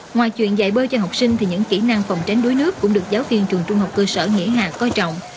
ngoài chuyện dạy bơi cho học sinh thì những kỹ năng phòng tránh đuối nước cũng được giáo viên trường trung học cơ sở nghĩa hà coi trọng